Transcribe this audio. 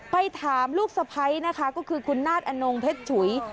ไปถามลูกสะพ้ายนะคะก็คือคุณนาฏอนงเพชรฉุย